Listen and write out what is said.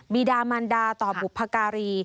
บีดามันดาตอุปกรี